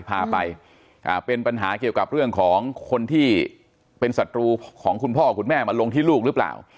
พาไปเป็นปัญหาเกี่ยวกับเรื่องของคนที่เป็นศัตรูของคุณพ่อคุณแม่มาลงที่ลูกหรือเปล่า